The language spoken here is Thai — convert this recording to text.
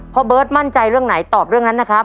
เบิร์ตมั่นใจเรื่องไหนตอบเรื่องนั้นนะครับ